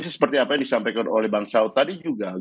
seperti apa yang disampaikan oleh bang saud tadi juga